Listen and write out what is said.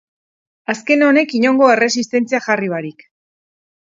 Azken honek inongo erresistentzia jarri barik.